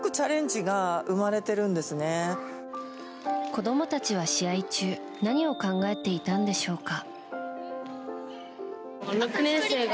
子供たちは試合中何を考えていたのでしょうか。